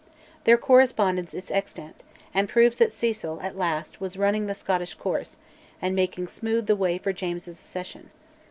Their correspondence is extant, and proves that Cecil, at last, was "running the Scottish course," and making smooth the way for James's accession.